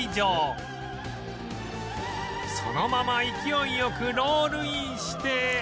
そのまま勢いよくロールインして